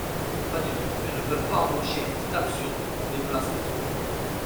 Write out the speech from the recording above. Pas du tout : elles ne peuvent pas embaucher ! C’est absurde ! On déplace l’équilibre.